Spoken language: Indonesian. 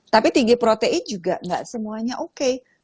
tapi tinggi protein juga nggak semuanya oke